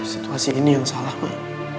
situasi ini yang salah pak